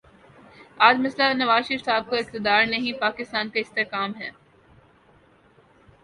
آج مسئلہ نواز شریف صاحب کا اقتدار نہیں، پاکستان کا استحکام ہے۔